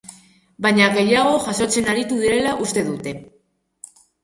Baina gehiago jasotzen aritu direla uste dute.